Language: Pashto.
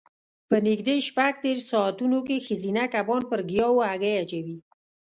په نږدې شپږ دېرش ساعتو کې ښځینه کبان پر ګیاوو هګۍ اچوي.